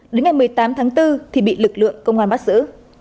đến ngày một mươi tám tháng bốn thì bị lực lượng công an bắt giữ